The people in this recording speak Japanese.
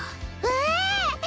ええ！